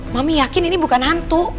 mami yakin ini bukan hantu